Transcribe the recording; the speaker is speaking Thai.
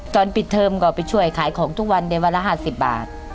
ตอนปิดเทอมก็ไปช่วยขายของทุกวันในวันละ๕๐บาท